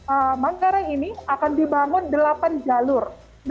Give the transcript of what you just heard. eee manggarai ini akan dibangun delapan jalur